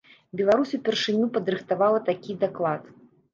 Беларусь упершыню падрыхтавала такі даклад.